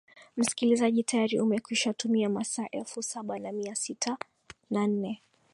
msikilizaji tayari umekwisha tumia masaa elfu saba na mia sita na nne